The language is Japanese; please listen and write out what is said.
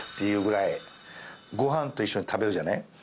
ご飯と一緒に食べるじゃない。